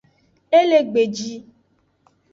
E le gbeji.